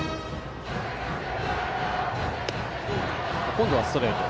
今度はストレート。